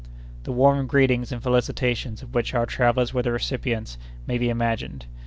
The warm greetings and felicitations of which our travellers were the recipients may be imagined.